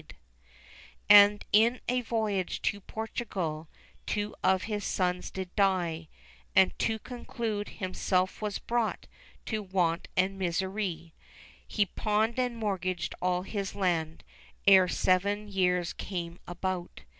THE BABES IN THE WOOD 315 And in a voyage to Portugal Two of his sons did die ; And to conclude, himself was brought To want and misery : He pawned and mortgaged all his land Ere seven years came about.